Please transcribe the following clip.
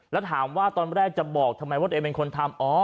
แล้วถามว่าตอนแรกจะบอกทำไมว่าตัวเองเป็นคนทำ